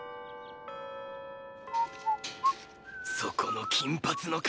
そこの金髪の方！